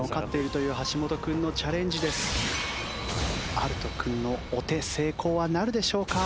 アルト君のお手成功はなるでしょうか？